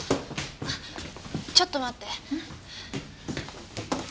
ちょっと待って。